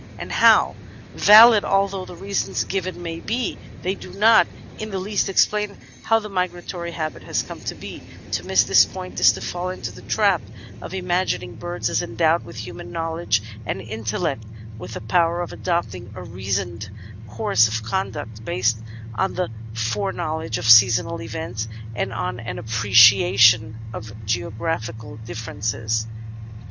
and "how?" Valid although the reasons given may be, they do not in the least explain how the migratory habit has come to be; to miss this point is to fall into the trap of imagining birds as endowed with human knowledge and inteUect — with the power of adopting a reasoned course of conduct, based on the foreknowledge of seasonal events and on an appreciation of geographical differences.